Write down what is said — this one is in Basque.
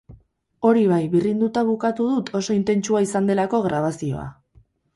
Hori bai, birrinduta bukatu dut oso intentsua izan delako grabazioa.